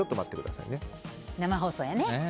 生放送やね。